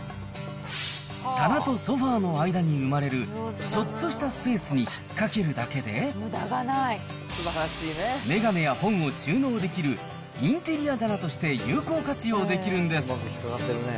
棚とソファの間に生まれるちょっとしたスペースにひっかけるだけで、眼鏡や本を収納できるインテリア棚として有効活用できるんです。